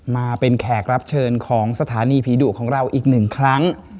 มาเป็นแขกรับเชิญของสถานีผีดุของเราอีกหนึ่งครั้ง